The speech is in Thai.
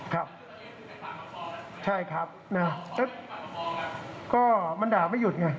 ครับใช่ครับนะก็มันด่าไม่หยุดไง